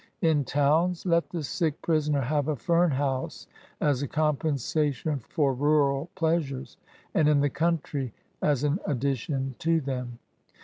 In towna^ let the sick prisoner have a fern house as a compensation for rural pleasures; and in the country as an addition to them.